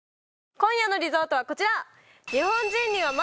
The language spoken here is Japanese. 今夜のリゾートはこちら！